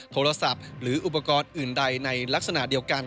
โทรศัพท์หรืออุปกรณ์อื่นใดในลักษณะเดียวกัน